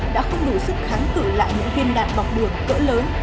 đã không đủ sức kháng cử lại những viên đạn bọc đường cỡ lớn